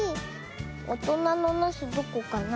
おとなのなすどこかな？